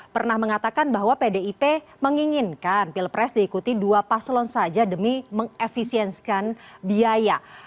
pernah mengatakan bahwa pdip menginginkan pilpres diikuti dua paslon saja demi mengefisiensikan biaya